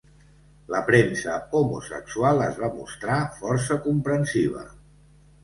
La premsa homosexual es va mostrar força comprensiva.